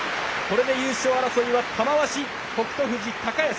これで優勝争いは玉鷲、北勝富士、高安。